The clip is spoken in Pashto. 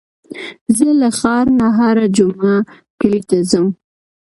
زه له ښار نه هره جمعه کلي ته ځم.